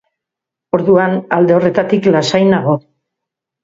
Orduan, alde horretatik lasai nago.